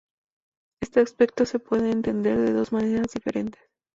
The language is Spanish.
Este aspecto se puede entender de dos maneras diferentes.